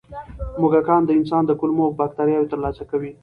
موږکان د انسان د کولمو بکتریاوو ترلاسه کوي.